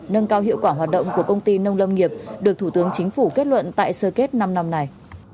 nâng cao hiệu quả hoạt động của công ty nông lâm nghiệp được thủ tướng chính phủ kết luận tại sơ kết năm năm này